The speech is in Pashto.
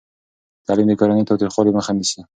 تعلیم د کورني تاوتریخوالي مخه نیسي.